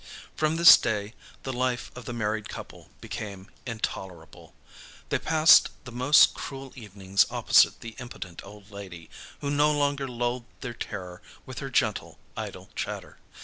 From this day the life of the married couple became intolerable. They passed the most cruel evenings opposite the impotent old lady, who no longer lulled their terror with her gentle, idle chatter.